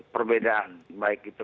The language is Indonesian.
perbedaan baik itu